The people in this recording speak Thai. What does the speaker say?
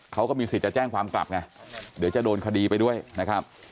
เขาก็มีสิทธิ์จะแจ้งความกลับไงเดี๋ยวจะโดนคดีไปด้วยนะครับ